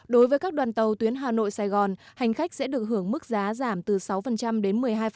đối với các đoàn tàu tuyến hà nội sài gòn hành khách sẽ được hưởng mức giá giảm từ sáu đến một mươi hai